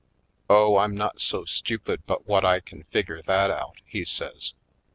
"Oh, I'm not so stupid but what I can figure that out," he says.